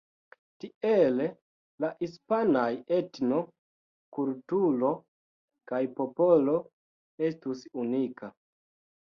Tiele la hispanaj etno, kulturo kaj popolo estus unika.